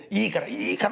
いいから！